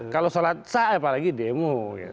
kalau sholat sah apalagi demo